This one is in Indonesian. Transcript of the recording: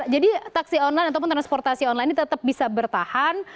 jadi taksi online ataupun transportasi online ini tetap bisa bertahan